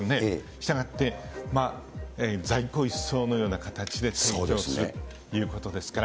したがって、在庫一掃のような形でするということですから。